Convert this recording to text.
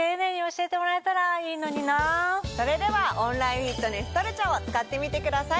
それではオンラインフィットネストルチャを使ってみてください。